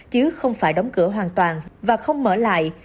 chứ không phải đóng cửa hoàn toàn và không mở lại